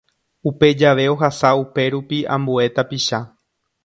Upe jave ohasa upérupi ambue tapicha